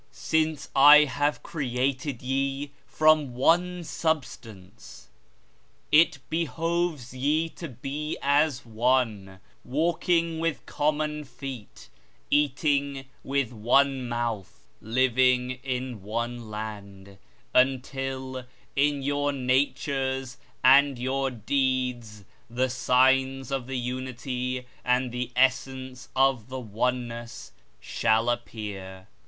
Since I have created ye from one substance, it behooves ye to be as one, walking with common feet, eating with one mouth, living in one land; until in your natures and your deeds the signs of the Unity and the essence of the Oneness shall appear.